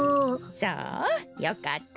そうよかったわ。